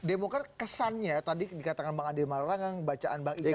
demokrat kesannya tadi dikatakan bang andi malarang yang bacaan bang ican itu apa